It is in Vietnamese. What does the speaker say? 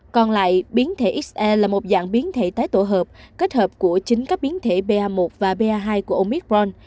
còn lại biến thể se là một dạng biến thể tái tổ hợp kết hợp của chính các biến thể ba một và ba hai của omicron